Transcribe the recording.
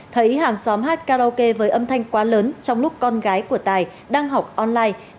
thấy hàng xóm hát karaoke với âm thanh quá lớn trong lúc con gái của tài đang học online